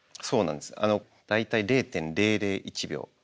そうなんです大体０．００１秒。